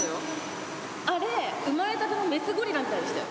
あれ産まれたてのメスゴリラみたいでしたよ。